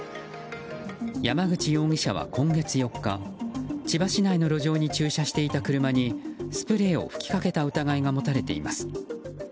山口容疑者は、今月４日千葉市内の路上に駐車していた車にスプレーを吹きかけた疑いが持たれています。